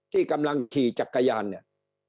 ที่กำลังขี่จักรยานเนี่ย